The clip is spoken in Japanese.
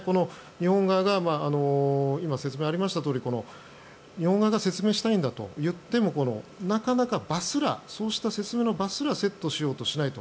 日本側が今、説明がありましたとおり日本側が説明したいんだと言ってもなかなかそうした説明の場すらセットしようとしないと。